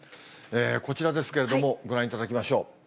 こちらですけれども、ご覧いただきましょう。